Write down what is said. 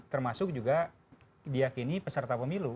termasuk juga diakini peserta pemilu